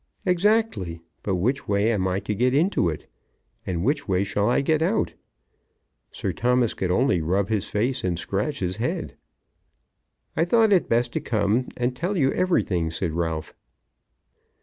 "Exactly; but which way am I to get into it, and which way shall I get out?" Sir Thomas could only rub his face and scratch his head. "I thought it best to come and tell you everything," said Ralph.